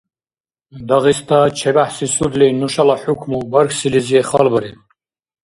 Дагъиста ЧебяхӀси судли нушала хӀукму бархьсилизи халбариб.